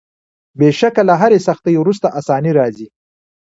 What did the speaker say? بېشکه له هري سختۍ وروسته آساني راځي.